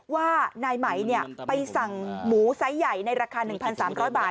ว่านายไหมไปสั่งหมูไซส์ใหญ่ในราคา๑๓๐๐บาท